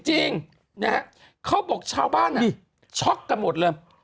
จริงนะฮะเขาบอกชาวบ้านช็อกกันหมดเลย